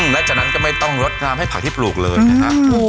และจากนั้นก็ไม่ต้องลดน้ำให้ผักที่ปลูกเลยนะฮะ